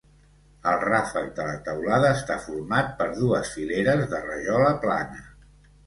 El ràfec de la teulada està format per dues fileres de rajola plana.